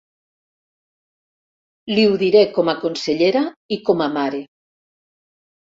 Li ho diré com a consellera i com a mare.